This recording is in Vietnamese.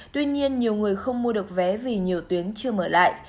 tuy nhiên nhiều người không mua được vé vì nhiều tuyến chưa mở lại